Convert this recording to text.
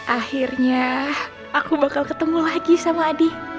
akhirnya aku bakal ketemu lagi sama adi